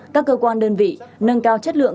các cơ quan đơn vị nâng cao chất lượng